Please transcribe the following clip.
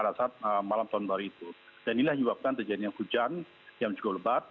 dan inilah yang menyebabkan terjadinya hujan yang cukup lebat